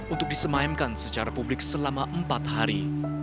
untuk disemayamkan secara publik selama empat hari